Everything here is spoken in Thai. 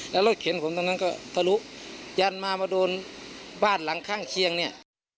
แล้วรถเข็นผมตรงนั้นก็ทะลุยันมามาโดนบ้านหลังข้างเคียงเนี่ย